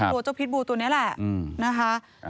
ตัวเจ้าพิษบูตัวนี้แหละนะคะ